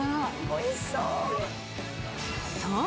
おいしそう。